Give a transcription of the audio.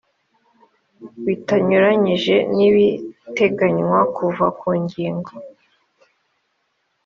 bitanyuranyije n ibiteganywa kuva ku ngingo